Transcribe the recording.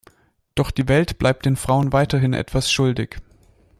Doch die Welt bleibt den Frauen weiterhin etwas schuldig.